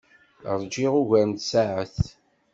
Ṛjiɣ ugar n tsaɛet.